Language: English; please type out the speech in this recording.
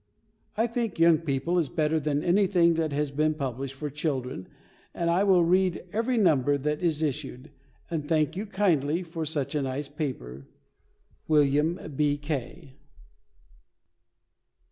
I think Young People is better than anything that has been published for children, and I will read every number that is issued, and thank you kindly for such a nice paper. WILLIAM B. K.